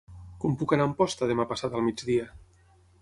Com puc anar a Amposta demà passat al migdia?